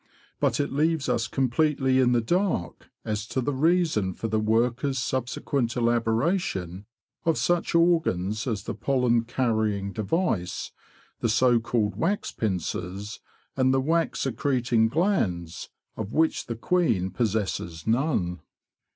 But it leaves us completely in the dark as to the reason for the worker's subsequent elaboration of such organs as the pollen carrying device, the so called wax pincers, and the wax secreting glands, of which the queen possesses none.